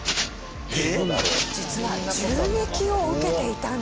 実は銃撃を受けていたんです。